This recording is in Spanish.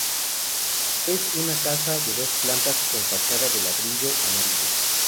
Es una casa de dos plantas con fachada de ladrillo amarillo.